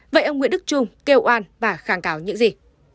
vậy ông nguyễn đức trung kêu oan và kháng cáo những gì